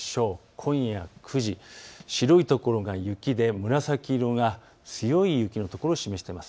今夜９時、白い所が雪で紫色が強い雪のところを示しています。